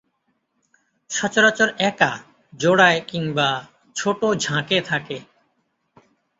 সচরাচর একা, জোড়ায় কিংবা ছোট ঝাঁকে থাকে।